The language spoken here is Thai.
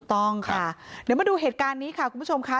ต้องค่ะเดี๋ยวมาดูเหตุการณ์นี้ค่ะคุณผู้ชมค่ะ